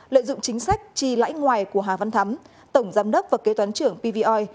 lợi dụng chính sách chi lãi ngoài của hà văn thắm tổng giám đốc và kế toán trưởng bvoi